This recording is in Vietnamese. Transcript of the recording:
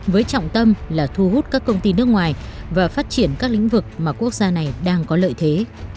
với trọng tâm là thu hút các công ty nước ngoài và phát triển các lĩnh vực mà quốc gia này đang có lợi thế